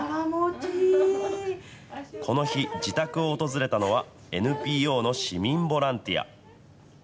この日、自宅を訪れたのは、ＮＰＯの市民ボランティア。